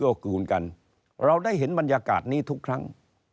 ช่วยเหลือเกลือกูลกันเราได้เห็นบรรยากาศนี้ทุกครั้ง